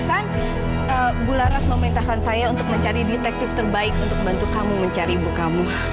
kan bu laras memerintahkan saya untuk mencari detektif terbaik untuk bantu kamu mencari ibu kamu